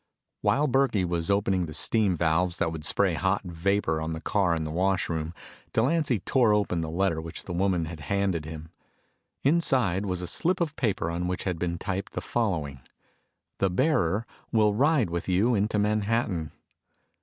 While Burkey was opening the steam valves that would spray hot vapor on the car in the wash room, Delancy tore open the letter which the woman had handed him. Inside was a slip of paper on which had been typed the following: "The bearer will ride with you into Manhattan."